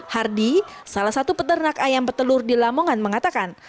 hardy salah satu peternak ayam petelur di lamongan mengatakan